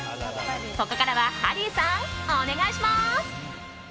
ここからはハリーさんお願いします。